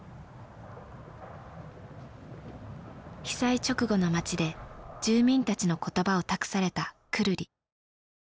被災直後の町で住民たちの言葉を託されたくるり。